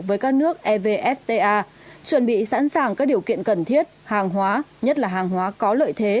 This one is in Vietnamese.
với các nước evfta chuẩn bị sẵn sàng các điều kiện cần thiết hàng hóa nhất là hàng hóa có lợi thế